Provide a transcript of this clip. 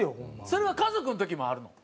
それは家族の時もあるの？